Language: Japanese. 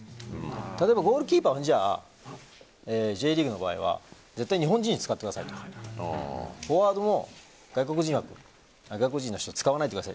例えばゴールキーパーはＪリーグの場合は絶対、日本人を使ってくださいとかフォワードも外国人の人を使わないでください。